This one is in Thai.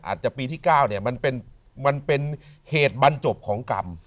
อาจจะปีที่๙เนี่ยมันเป็นเหตุบรรจบของกรรม